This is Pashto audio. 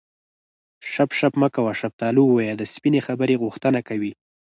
شف شف مه کوه شفتالو ووایه د سپینې خبرې غوښتنه کوي